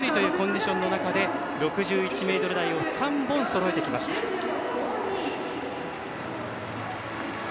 雨が降って、滑りやすいというコンディションの中６１ｍ台を３本そろえてきました。